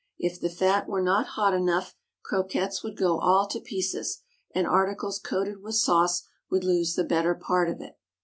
If the fat were not hot enough, croquettes would go all to pieces, and articles coated with sauce would lose the better part of it.